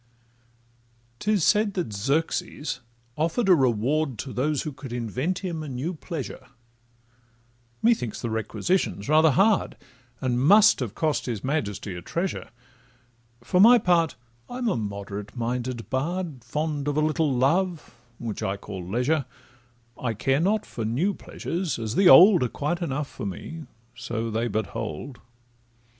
'Tis said that Xerxes offer'd a reward To those who could invent him a new pleasure: Methinks the requisition 's rather hard, And must have cost his majesty a treasure: For my part, I'm a moderate minded bard, Fond of a little love (which I call leisure); I care not for new pleasures, as the old Are quite enough for me, so they but hold.